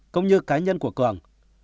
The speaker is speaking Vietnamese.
cũng như cá nhân của cường